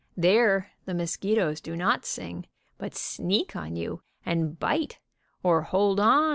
There the mosqui toes do not sing, but sneak on you and bite and hold or.